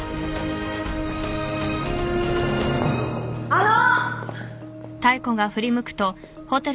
あの！